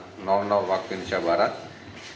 tim kemudian membawa tim ke kota batu